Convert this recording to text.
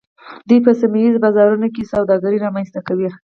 دوی په سیمه ایزو بازارونو کې سوداګري رامنځته کوي